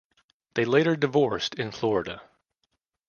They later divorced in Florida.